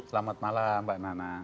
selamat malam mbak nana